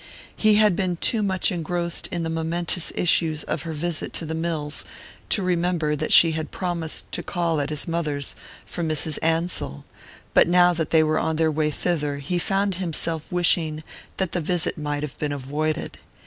He had been too much engrossed in the momentous issues of her visit to the mills to remember that she had promised to call at his mother's for Mrs. Ansell; but now that they were on their way thither he found himself wishing that the visit might have been avoided.